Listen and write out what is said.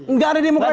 nggak ada demokrasi